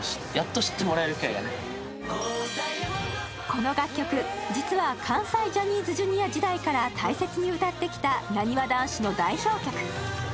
この楽曲、実は関西ジャニーズＪｒ．時代から大切に歌ってきた、なにわ男子の代表曲。